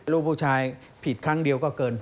ลูกผู้ชายผิดครั้งเดียวก็เกินพอ